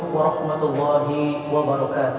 assalamualaikum warahmatullahi wabarakatuh